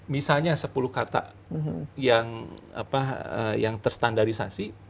misalnya sepuluh kata yang terstandarisasi